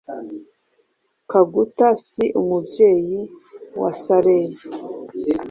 Kaguta si umubyeyi wa Saleh